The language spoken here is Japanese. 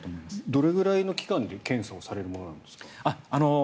どれくらいの期間で検査をされるものなんですか？